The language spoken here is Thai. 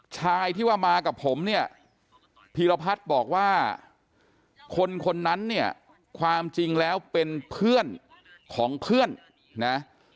ชายที่ว่ามากับผมเนี่ยพีรพัฒน์บอกว่าคนคนนั้นเนี่ยความจริงแล้วเป็นเพื่อนของเพื่อนนะ